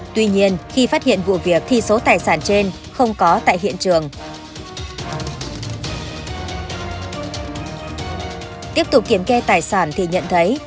tuy nhiên khi phát hiện vụ việc thì số tài sản trên không có tại hiện trường